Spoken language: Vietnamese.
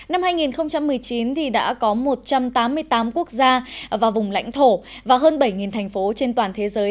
năm hai nghìn một mươi chín đã có một trăm tám mươi tám quốc gia và vùng lãnh thổ và hơn bảy thành phố trên toàn thế giới